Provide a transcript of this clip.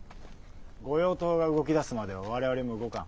御用盗が動き出すまでは我々も動かん。